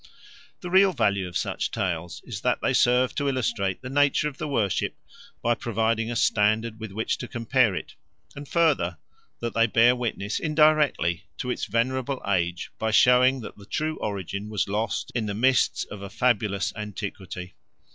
The real value of such tales is that they serve to illustrate the nature of the worship by providing a standard with which to compare it; and further, that they bear witness indirectly to its venerable age by showing that the true origin was lost in the mists of a fabulous antiquity.